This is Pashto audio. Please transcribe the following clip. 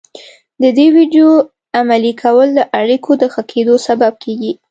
د دې ويډيو عملي کول د اړيکو د ښه کېدو سبب کېږي.